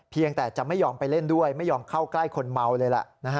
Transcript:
จะไม่ยอมไปเล่นด้วยไม่ยอมเข้าใกล้คนเมาเลยล่ะ